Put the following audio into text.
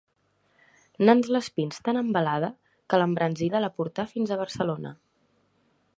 Nans-les-Pins tan embalada que l'embranzida la portà fins a Barcelona.